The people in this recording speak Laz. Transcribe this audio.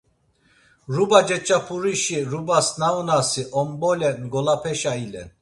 Rubaceç̌apurişi rubas naonasi Ombole ngolapeşa ilen.